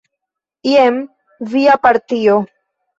Jen via partio.